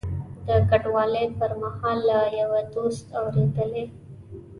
د کډوالۍ پر مهال له یوه دوست اورېدلي.